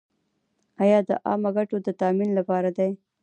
دا د عامه ګټو د تامین لپاره دی.